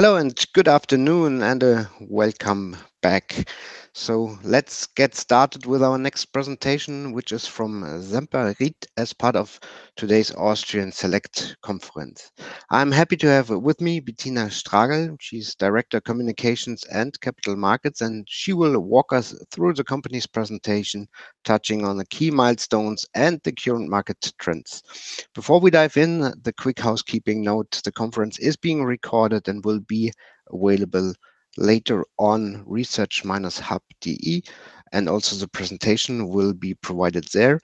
Hello, and good afternoon, and welcome back. Let's get started with our next presentation, which is from Semperit as part of today's Austrian Select Conference. I'm happy to have with me Bettina Schragl. She's Director Communications and Capital Markets, and she will walk us through the company's presentation, touching on the key milestones and the current market trends. Before we dive in, the quick housekeeping note, the conference is being recorded and will be available later on research-hub.de, and also the presentation will be provided there.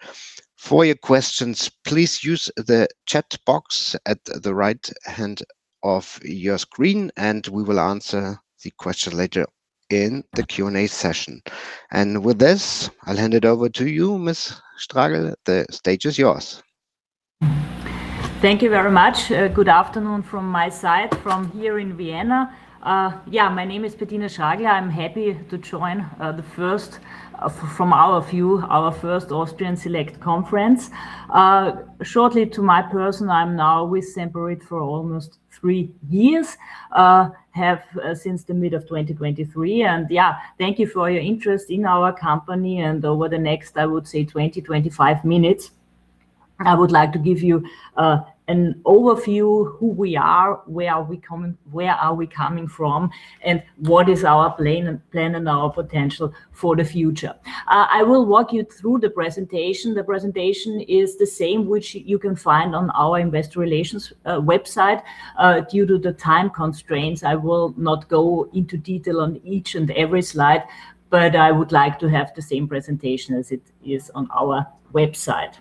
For your questions, please use the chat box at the right hand of your screen, and we will answer the question later in the Q&A session. With this, I'll hand it over to you, Ms. Schragl. The stage is yours. Thank you very much. Good afternoon from my side from here in Vienna. Yeah, my name is Bettina Schragl. I'm happy to join the first, from our view, our first Austrian Select Conference. Shortly to my person, I'm now with Semperit for almost three years, have since the mid of 2023. Yeah, thank you for your interest in our company. Over the next, I would say, 20-25 minutes, I would like to give you an overview who we are, where are we coming from, and what is our plan and our potential for the future. I will walk you through the presentation. The presentation is the same which you can find on our investor relations website. Due to the time constraints, I will not go into detail on each and every slide, but I would like to have the same presentation as it is on our website.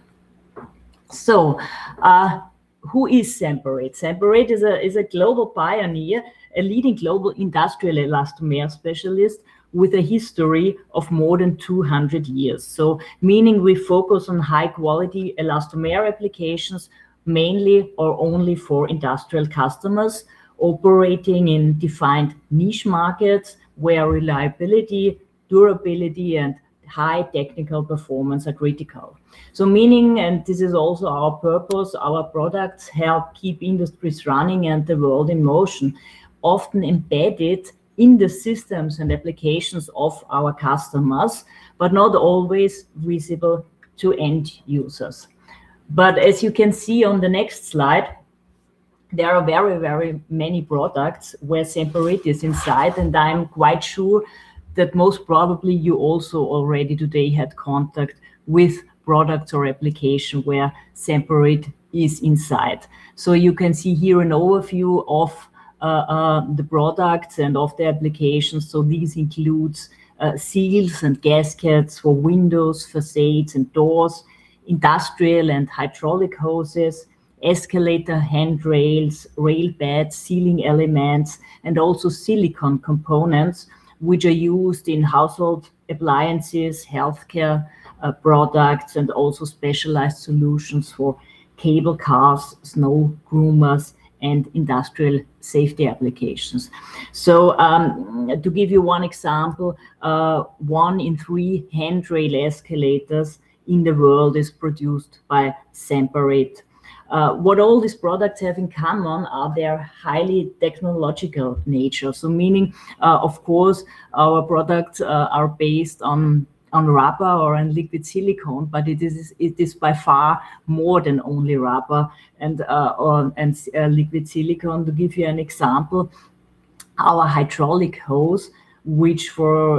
Who is Semperit? Semperit is a global pioneer, a leading global industrial elastomer specialist with a history of more than 200 years. Meaning we focus on high-quality elastomer applications mainly or only for industrial customers operating in defined niche markets where reliability, durability, and high technical performance are critical. Meaning, and this is also our purpose, our products help keep industries running and the world in motion, often embedded in the systems and applications of our customers, but not always visible to end users. As you can see on the next slide, there are very many products where Semperit is inside, and I'm quite sure that most probably you also already today had contact with product or application where Semperit is inside. You can see here an overview of the products and of the applications. These include seals and gaskets for windows, facades and doors, industrial and hydraulic hoses, escalator handrails, rail beds, sealing elements, and also silicone components, which are used in household appliances, healthcare products, and also specialized solutions for cable cars, snow groomers, and industrial safety applications. To give you one example, 1/3 of the escalator handrails in the world is produced by Semperit. What all these products have in common are their highly technological nature. Meaning, of course, our products are based on rubber or on liquid silicone, but it is by far more than only rubber and liquid silicone. To give you an example, our hydraulic hose, which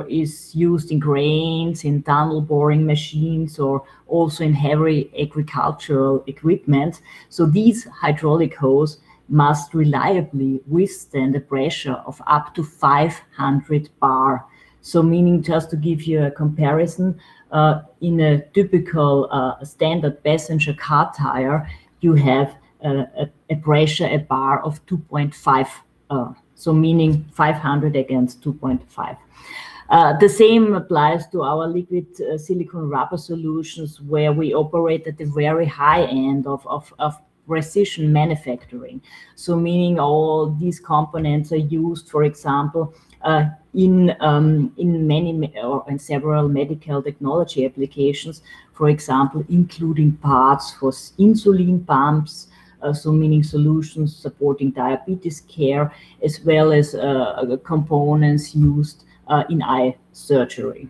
is used in cranes, in tunnel boring machines, or also in heavy agricultural equipment. These hydraulic hose must reliably withstand the pressure of up to 500 bar. Meaning, just to give you a comparison, in a typical standard passenger car tire, you have a pressure, a bar of 2.5. Meaning 500 against 2.5. The same applies to our liquid silicone rubber solutions where we operate at the very high end of precision manufacturing. Meaning all these components are used, for example, in several medical technology applications, for example, including parts for insulin pumps. Meaning solutions supporting diabetes care as well as the components used in eye surgery.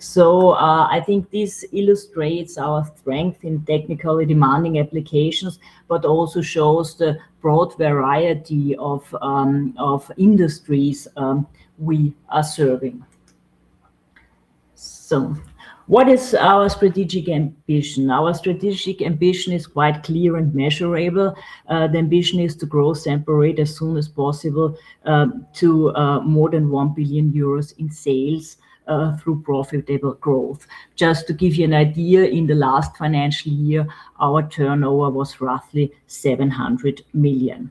I think this illustrates our strength in technically demanding applications, but also shows the broad variety of industries we are serving. What is our strategic ambition? Our strategic ambition is quite clear and measurable. The ambition is to grow Semperit as soon as possible to more than 1 billion euros in sales through profitable growth. Just to give you an idea, in the last financial year, our turnover was roughly 700 million.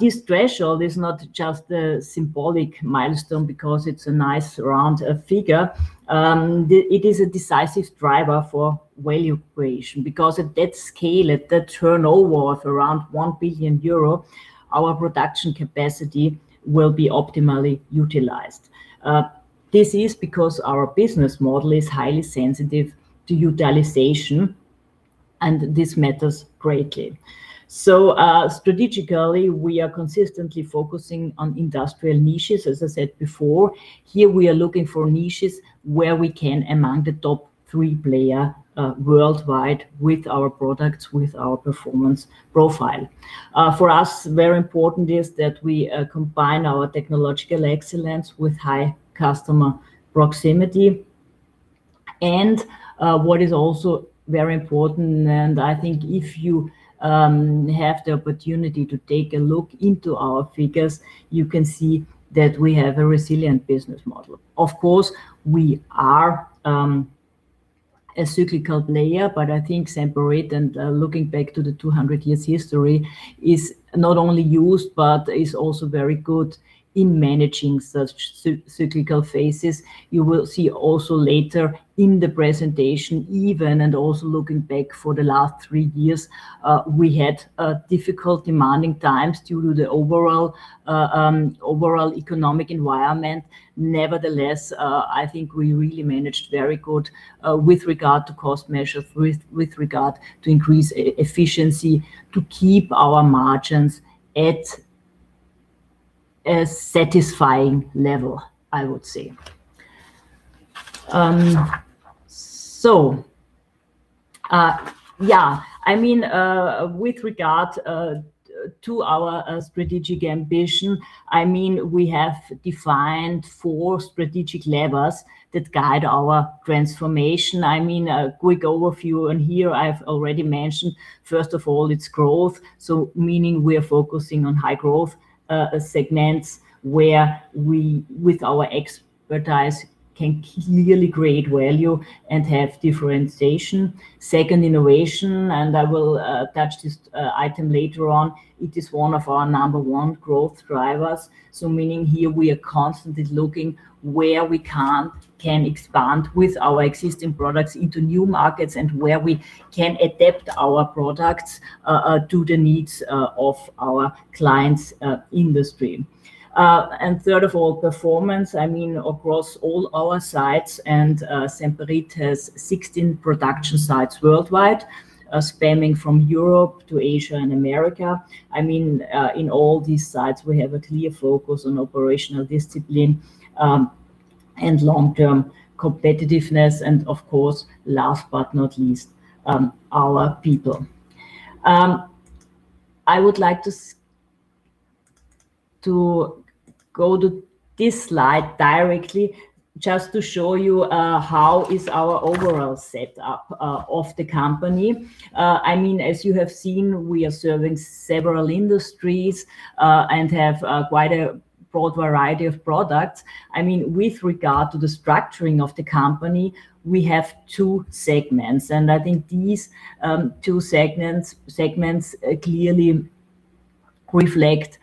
This threshold is not just a symbolic milestone because it's a nice round figure. It is a decisive driver for value creation because at that scale, at that turnover of around 1 billion euro, our production capacity will be optimally utilized. This is because our business model is highly sensitive to utilization. This matters greatly. Strategically, we are consistently focusing on industrial niches. As I said before, here we are looking for niches where we can be among the top three players worldwide with our products, with our performance profile. For us, very important is that we combine our technological excellence with high customer proximity. What is also very important, and I think if you have the opportunity to take a look into our figures, you can see that we have a resilient business model. Of course, we are a cyclical player, but I think Semperit, and looking back to the 200 years history, is not only used but is also very good in managing such cyclical phases. You will see also later in the presentation even, and also looking back for the last three years, we had difficult demanding times due to the overall economic environment. Nevertheless, I think we really managed very good with regard to cost measures, with regard to increase efficiency, to keep our margins at a satisfying level, I would say. With regard to our strategic ambition, we have defined four strategic levers that guide our transformation. A quick overview, and here I've already mentioned, first of all, it's growth. Meaning we are focusing on high-growth segments where we, with our expertise, can clearly create value and have differentiation. Second, innovation, and I will touch this item later on. It is one of our number one growth drivers. Meaning here we are constantly looking where we can expand with our existing products into new markets and where we can adapt our products to the needs of our clients' industry. Third of all, performance. Across all our sites, and Semperit has 16 production sites worldwide, spanning from Europe to Asia and America. In all these sites, we have a clear focus on operational discipline, and long-term competitiveness, and of course, last but not least, our people. I would like to go to this slide directly just to show you how is our overall set up of the company. As you have seen, we are serving several industries, and have quite a broad variety of products. With regard to the structuring of the company, we have two segments, and I think these two segments clearly reflect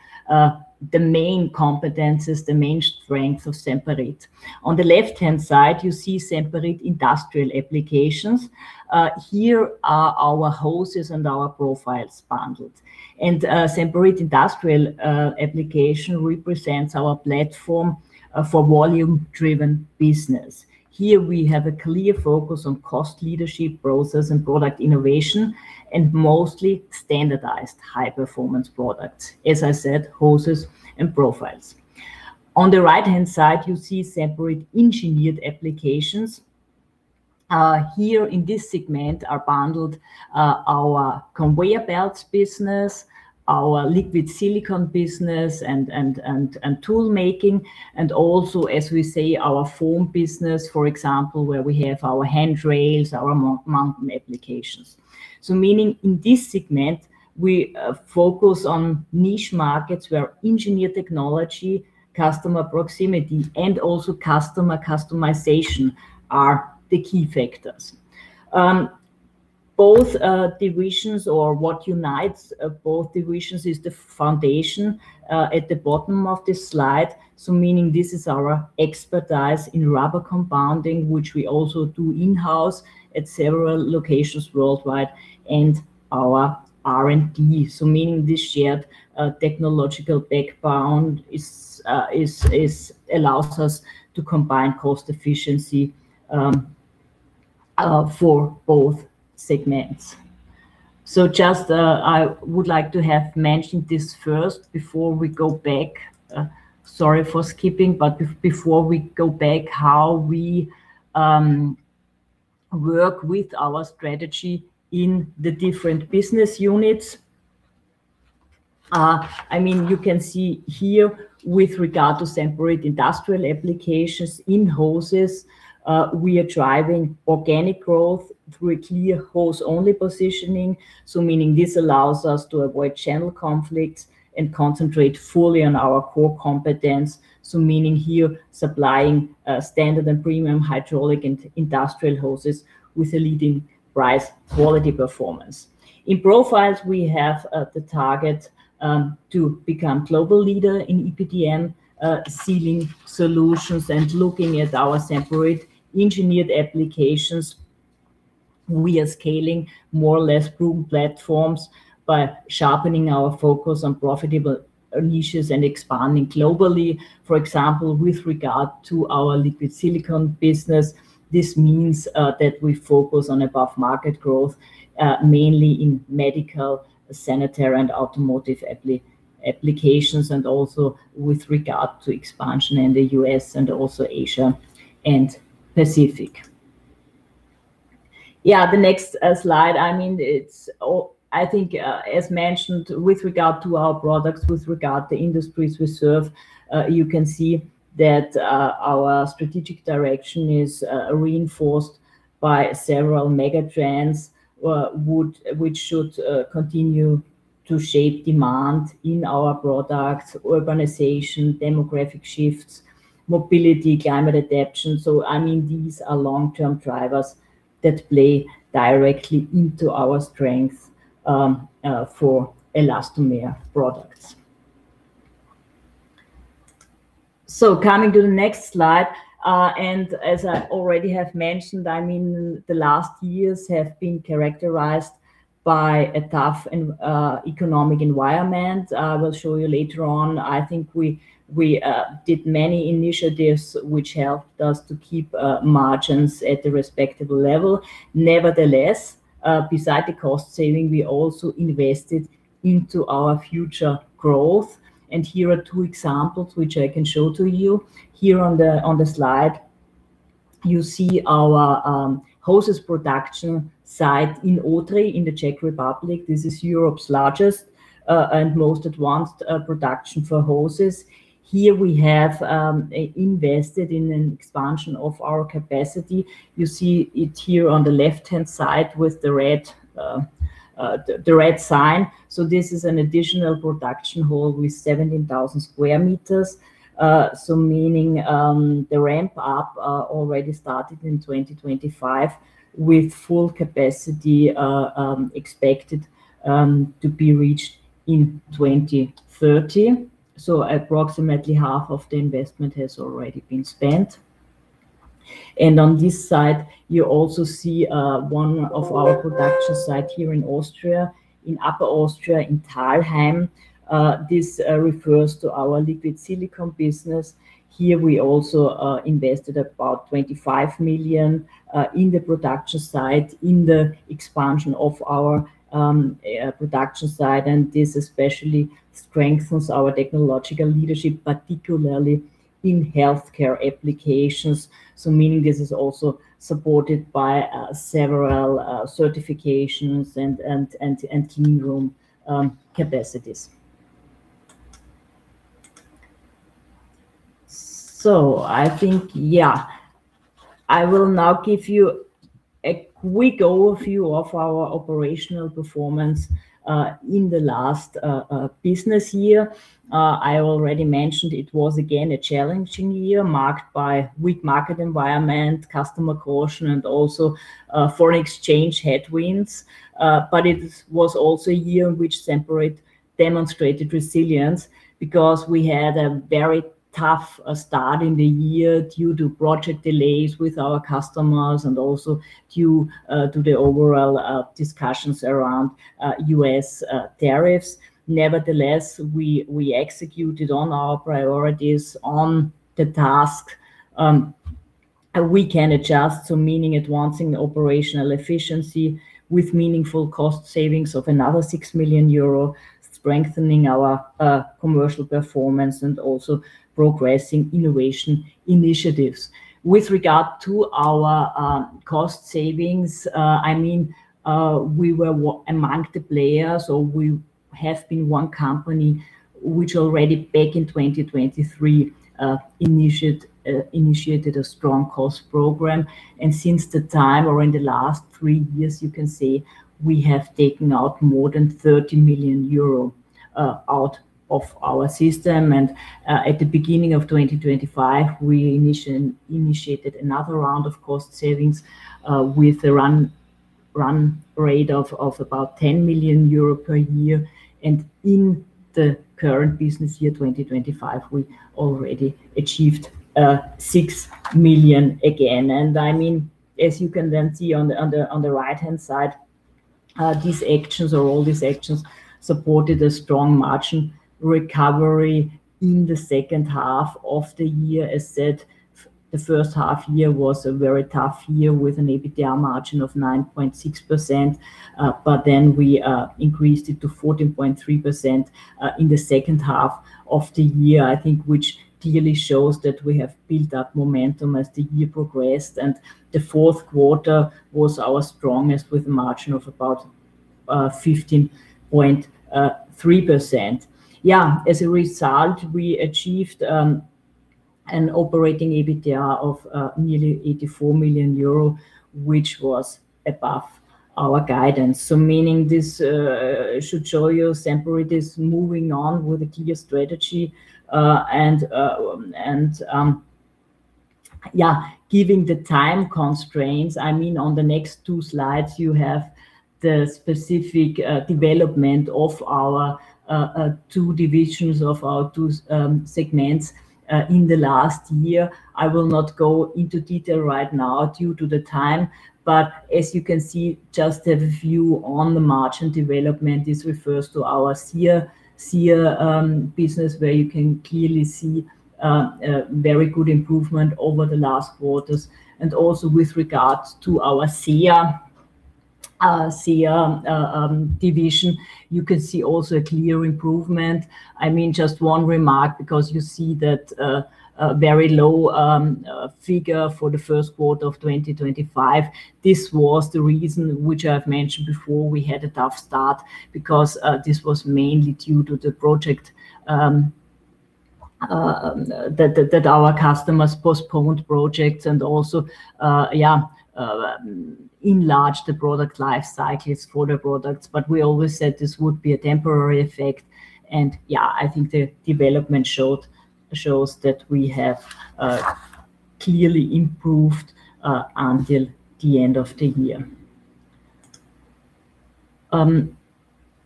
the main competencies, the main strengths of Semperit. On the left-hand side, you see Semperit Industrial Applications. Here are our hoses and our profiles bundled. Semperit Industrial Applications represents our platform for volume-driven business. Here we have a clear focus on cost leadership, process and product innovation, and mostly standardized high-performance products. As I said, hoses and profiles. On the right-hand side, you see Semperit Engineered Applications. Here in this segment are bundled our conveyor belts business, our liquid silicone business, and tool making, and also, as we say, our foam business, for example, where we have our handrails, our mountain applications. Meaning in this segment, we focus on niche markets where engineered technology, customer proximity, and also customer customization are the key factors. Both divisions or what unites both divisions is the foundation at the bottom of this slide. Meaning this is our expertise in rubber compounding, which we also do in-house at several locations worldwide, and our R&D. Meaning this shared technological background allows us to combine cost efficiency for both segments. Just, I would like to have mentioned this first before we go back. Sorry for skipping, but before we go back, how we work with our strategy in the different business units. You can see here with regard to Semperit Industrial Applications in hoses, we are driving organic growth through a clear hose-only positioning. Meaning this allows us to avoid channel conflicts and concentrate fully on our core competence. Meaning here, supplying standard and premium hydraulic and industrial hoses with a leading price-quality performance. In profiles, we have the target to become global leader in EPDM sealing solutions, and looking at our Semperit Engineered Applications, we are scaling more or less proven platforms by sharpening our focus on profitable niches and expanding globally. For example, with regard to our liquid silicone business, this means that we focus on above-market growth, mainly in medical, sanitary, and automotive applications, and also with regard to expansion in the U.S. and also Asia and Pacific. Yeah, the next slide. I think, as mentioned, with regard to our products, with regard to the industries we serve, you can see that our strategic direction is reinforced by several megatrends which should continue to shape demand in our products. Urbanization, demographic shifts, mobility, climate adaptation. These are long-term drivers that play directly into our strength for elastomer products. Coming to the next slide. As I already have mentioned, the last years have been characterized by a tough economic environment. I will show you later on. I think we did many initiatives which helped us to keep margins at a respectable level. Nevertheless, besides the cost-saving, we also invested into our future growth. Here are two examples which I can show to you. Here on the slide, you see our hoses production site in Odry in the Czech Republic. This is Europe's largest and most advanced production for hoses. Here we have invested in an expansion of our capacity. You see it here on the left-hand side with the red sign. This is an additional production hall with 17,000 sq m. Meaning, the ramp up already started in 2025 with full capacity expected to be reached in 2030. Approximately half of the investment has already been spent. On this side, you also see one of our production site here in Austria, in Upper Austria, in Thalheim. This refers to our liquid silicone business. Here we also invested about 25 million in the production site, in the expansion of our production site. This especially strengthens our technological leadership, particularly in healthcare applications. Meaning this is also supported by several certifications and clean room capacities. I think, yeah. I will now give you a quick overview of our operational performance in the last business year. I already mentioned it was again a challenging year marked by weak market environment, customer caution, and also foreign exchange headwinds. It was also a year in which Semperit demonstrated resilience because we had a very tough start in the year due to project delays with our customers and also due to the overall discussions around U.S. tariffs. Nevertheless, we executed on our priorities and tasks we can adjust, so meaning advancing the operational efficiency with meaningful cost savings of another 6 million euro, strengthening our commercial performance, and also progressing innovation initiatives. With regard to our cost savings, we were among the players or we have been one company which already back in 2023 initiated a strong cost program. In the last three years, you can see we have taken out more than 30 million euro out of our system. At the beginning of 2025, we initiated another round of cost savings with a run rate of about 10 million euro per year. In the current business year, 2025, we already achieved 6 million again. As you can then see on the right-hand side, these actions or all these actions supported a strong margin recovery in the second half of the year. As said, the first half year was a very tough year with an EBITDA margin of 9.6%, but then we increased it to 14.3% in the second half of the year, I think, which clearly shows that we have built up momentum as the year progressed. The fourth quarter was our strongest, with a margin of about 15.3%. Yeah. As a result, we achieved an operating EBITDA of nearly 84 million euro, which was above our guidance. Meaning this should show you Semperit is moving on with the clear strategy and yeah. Given the time constraints, on the next 2 slides, you have the specific development of our 2 divisions of our 2 segments in the last year. I will not go into detail right now due to the time, but as you can see, just a view on the margin development. This refers to our SEA business, where you can clearly see a very good improvement over the last quarters and also with regards to our SIA division, you can see also a clear improvement. Just one remark, because you see that very low figure for the first quarter of 2025. This was the reason which I've mentioned before. We had a tough start because this was mainly due to the project that our customers postponed projects and also, yeah, enlarged the product life cycles for the products. We always said this would be a temporary effect, and yeah, I think the development shows that we have clearly improved until the end of the year.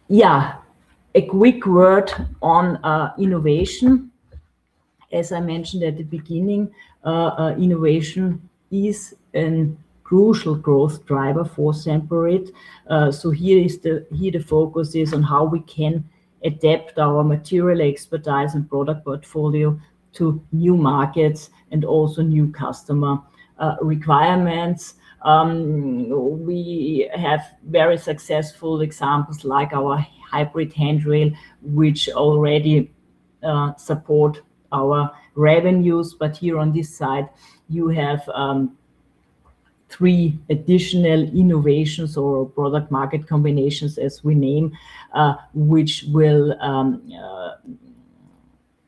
Yeah. A quick word on innovation. As I mentioned at the beginning, innovation is a crucial growth driver for Semperit. So here, the focus is on how we can adapt our material expertise and product portfolio to new markets and also new customer requirements. We have very successful examples like our hybrid handrail, which already support our revenues. Here on this side, you have three additional innovations or product market combinations, as we name, which will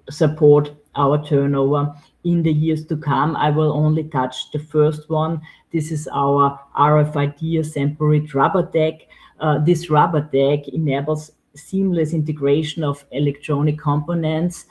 support our turnover in the years to come. I will only touch the first one. This is our RFID Semperit Rubbertec. This Rubbertec enables seamless integration of electronic components,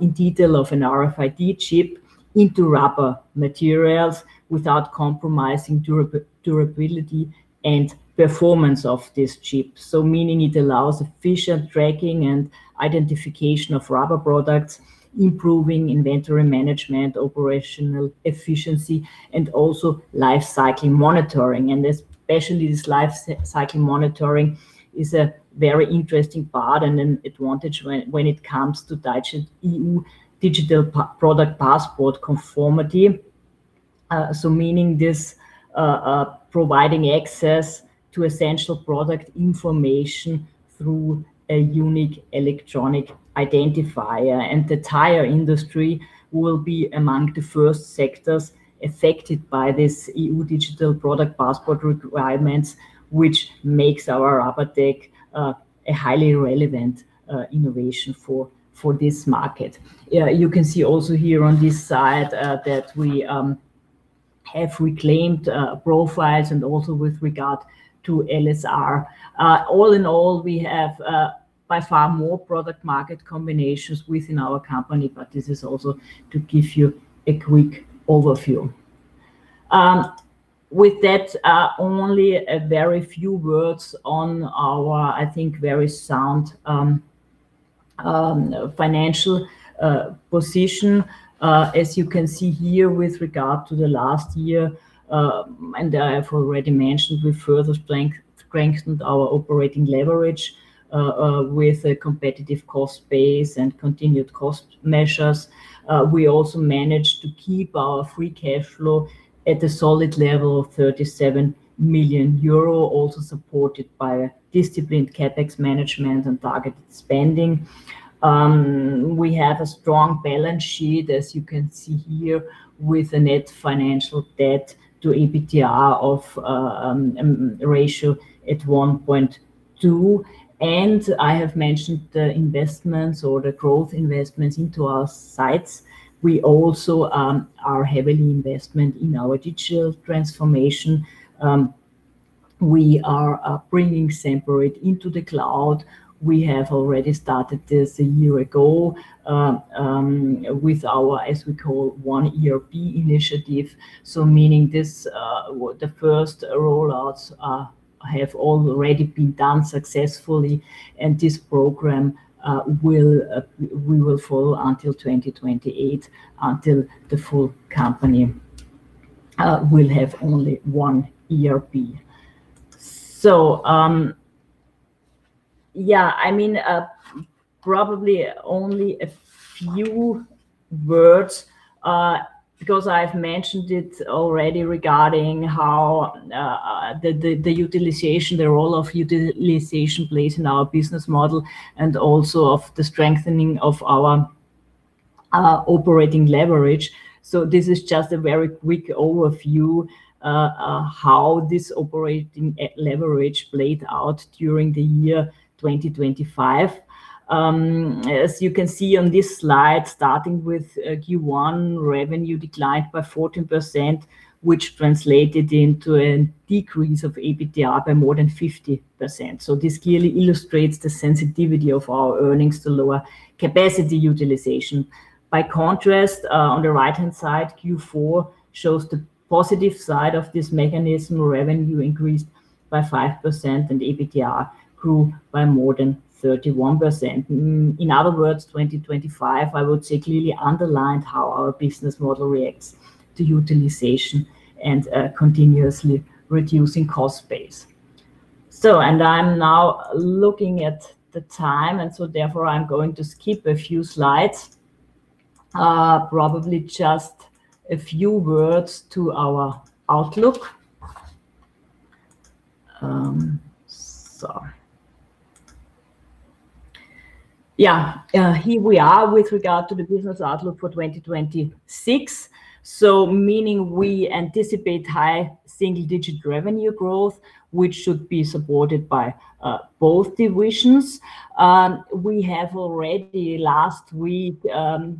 in detail of an RFID chip into rubber materials without compromising durability and performance of this chip. It allows efficient tracking and identification of rubber products, improving inventory management, operational efficiency, and also lifecycle monitoring. Especially this lifecycle monitoring is a very interesting part and an advantage when it comes to Digital Product Passport conformity. Meaning this, providing access to essential product information through a unique electronic identifier. The tire industry will be among the first sectors affected by this EU Digital Product Passport requirements, which makes our Rubbertec a highly relevant innovation for this market. You can see also here on this slide, that we have reclaimed profiles and also with regard to LSR. All in all, we have by far more product market combinations within our company, but this is also to give you a quick overview. With that, only a very few words on our, I think, very sound financial position. As you can see here with regard to the last year, and I have already mentioned, we further strengthened our operating leverage, with a competitive cost base and continued cost measures. We also managed to keep our free cash flow at a solid level of 37 million euro, also supported by a disciplined CapEx management and targeted spending. We have a strong balance sheet, as you can see here, with a net debt to EBITDA ratio at 1.2 and I have mentioned the investments or the growth investments into our sites. We also are heavily investing in our digital transformation. We are bringing Semperit into the cloud. We have already started this a year ago, with our, as we call, One ERP initiative. Meaning the first rollouts have already been done successfully, and this program we will follow until 2028, until the full company will have only One ERP. Yeah. Probably only a few words, because I've mentioned it already regarding the utilization, the role of utilization plays in our business model and also of the strengthening of our operating leverage. This is just a very quick overview of how this operating leverage played out during the year 2025. As you can see on this slide, starting with Q1, revenue declined by 14%, which translated into a decrease of EBITDA by more than 50%. This clearly illustrates the sensitivity of our earnings to lower capacity utilization. By contrast, on the right-hand side, Q4 shows the positive side of this mechanism. Revenue increased by 5% and EBITDA grew by more than 31%. In other words, 2025, I would say, clearly underlined how our business model reacts to utilization and continuously reducing cost base. I'm now looking at the time, and so therefore I'm going to skip a few slides. Probably just a few words to our outlook. Sorry. Yeah. Here we are with regard to the business outlook for 2026. meaning we anticipate high single-digit revenue growth, which should be supported by both divisions. We have already last week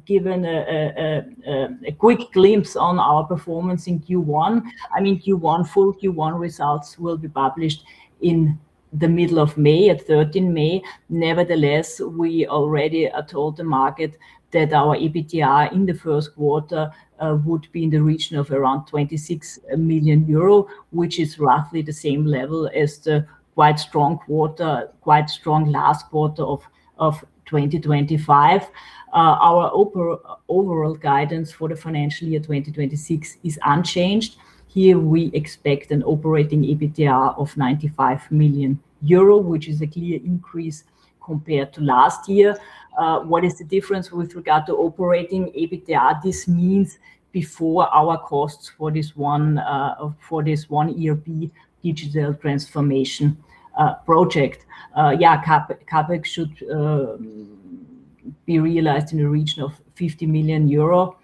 given a quick glimpse on our performance in Q1. Full Q1 results will be published in the middle of May, at 13 May. Nevertheless, we already told the market that our EBITDA in the first quarter would be in the region of around 26 million euro, which is roughly the same level as the quite strong last quarter of 2025. Our overall guidance for the financial year 2026 is unchanged. Here, we expect an operating EBITDA of 95 million euro, which is a clear increase compared to last year. What is the difference with regard to operating EBITDA? This means before our costs for this One ERP digital transformation project. Yeah, CapEx should be realized in the region of 50 million euro.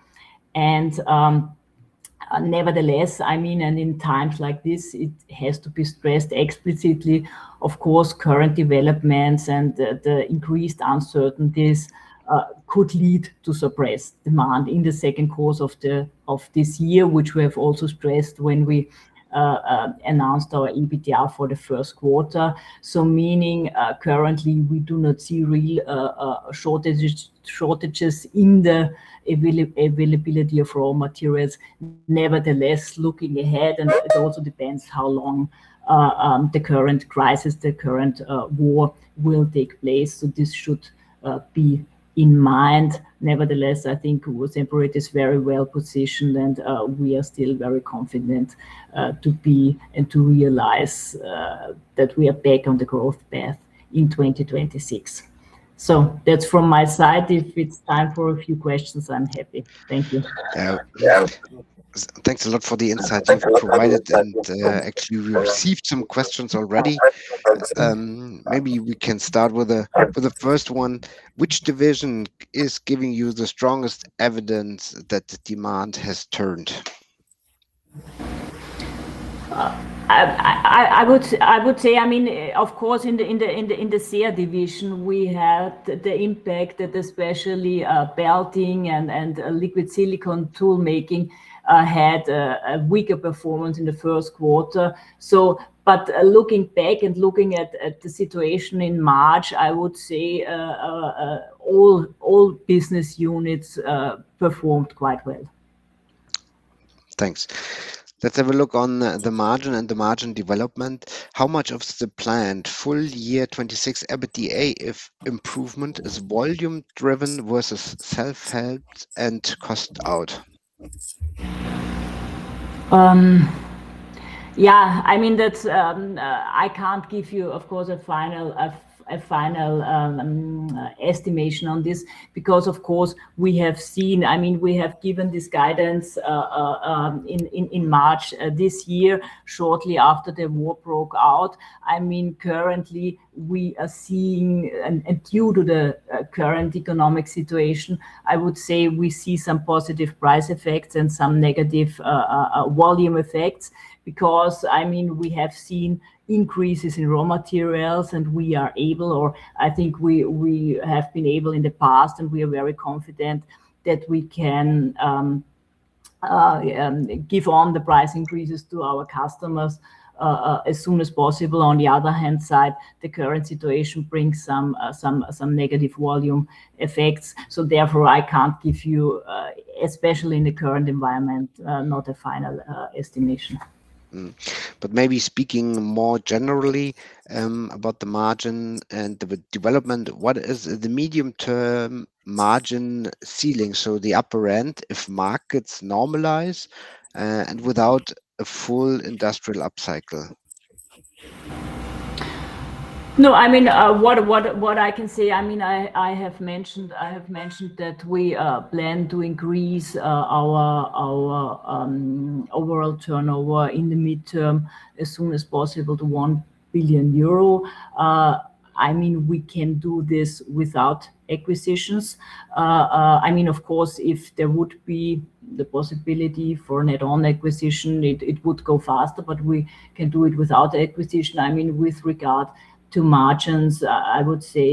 Nevertheless, in times like this, it has to be stressed explicitly, of course, current developments and the increased uncertainties could lead to suppressed demand in the second quarter of this year, which we have also stressed when we announced our EBITDA for the first quarter. Meaning, currently, we do not see real shortages in the availability of raw materials. Nevertheless, looking ahead, it also depends how long the current crisis, the current war will take place. This should be in mind. Nevertheless, I think Semperit is very well positioned and we are still very confident to be and to realize that we are back on the growth path in 2026. That's from my side. If it's time for a few questions, I'm happy. Thank you. Yeah. Thanks a lot for the insights you've provided, and actually we received some questions already. Maybe we can start with the first one. Which division is giving you the strongest evidence that the demand has turned? I would say, of course, in the SEA division, we had the impact that especially belting and liquid silicone tool making had a weaker performance in the first quarter. Looking back and looking at the situation in March, I would say all business units performed quite well. Thanks. Let's have a look at the margin and the margin development. How much of the planned full year 2026 EBITDA improvement is volume driven versus self-help and cost out? Yeah. I can't give you, of course, a final estimation on this because, of course, we have given this guidance in March this year, shortly after the war broke out. Currently, we are seeing, and due to the current economic situation, I would say we see some positive price effects and some negative volume effects because we have seen increases in raw materials, and we are able, or I think we have been able in the past, and we are very confident that we can pass on the price increases to our customers as soon as possible. On the other hand side, the current situation brings some negative volume effects. Therefore, I can't give you, especially in the current environment, not a final estimation. Maybe speaking more generally about the margin and the development, what is the medium-term margin ceiling, so the upper end, if markets normalize and without a full industrial upcycle? No. What I can say, I have mentioned that we plan to increase our overall turnover in the midterm as soon as possible to 1 billion euro. We can do this without acquisitions. Of course, if there would be the possibility for an add-on acquisition, it would go faster, but we can do it without acquisition. With regard to margins, I would say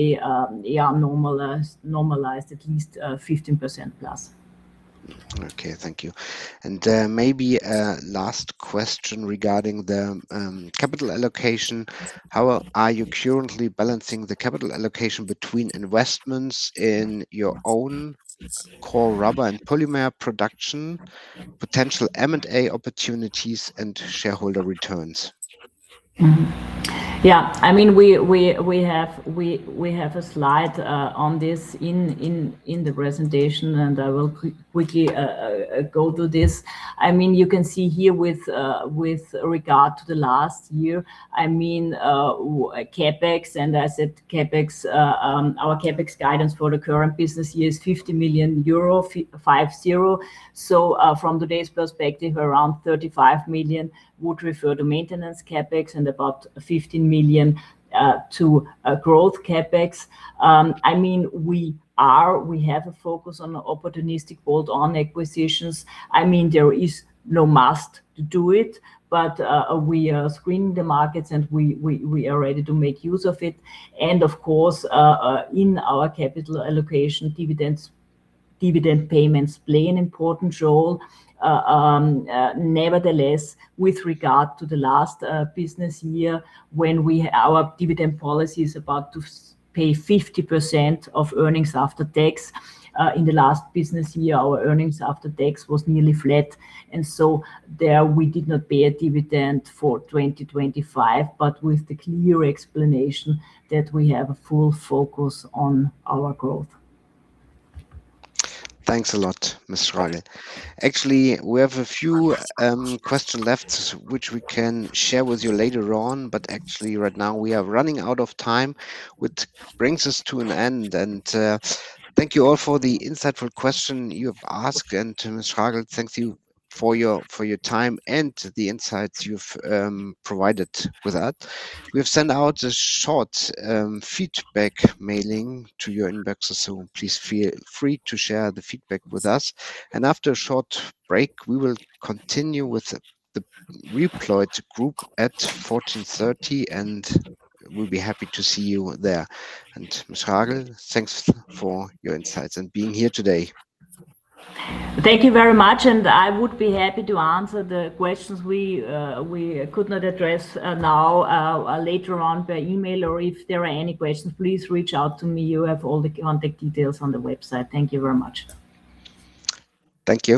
they are normalized at least 15%+. Okay, thank you. Maybe a last question regarding the capital allocation. How are you currently balancing the capital allocation between investments in your own core rubber and polymer production, potential M&A opportunities, and shareholder returns? Yeah. We have a slide on this in the presentation, and I will quickly go through this. You can see here with regard to the last year, CapEx, and as I said, our CapEx guidance for the current business year is 50 million euro. From today's perspective, around 35 million would refer to maintenance CapEx and about 15 million to growth CapEx. We have a focus on opportunistic bolt-on acquisitions. There is no must to do it, but we are screening the markets, and we are ready to make use of it. Of course, in our capital allocation dividends, dividend payments play an important role. Nevertheless, with regard to the last business year, our dividend policy is to pay 50% of earnings after tax. In the last business year, our earnings after tax was nearly flat. Therefore we did not pay a dividend for 2025, but with the clear explanation that we have a full focus on our growth. Thanks a lot, Bettina Schragl. Actually, we have a few questions left which we can share with you later on, but actually right now we are running out of time, which brings us to an end. Thank you all for the insightful question you've asked, and to Bettina Schragl, thank you for your time and the insights you've provided with that. We have sent out a short feedback mailing to your inbox, so please feel free to share the feedback with us. After a short break, we will continue with the POLYTEC Group at 2:30 PM, and we'll be happy to see you there. Bettina Schragl, thanks for your insights and being here today. Thank you very much, and I would be happy to answer the questions we could not address now later on by email, or if there are any questions, please reach out to me. You have all the contact details on the website. Thank you very much. Thank you.